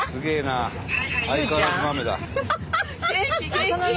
元気？